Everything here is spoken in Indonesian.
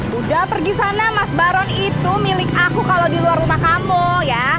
udah pergi sana mas baron itu milik aku kalau di luar rumah kamu ya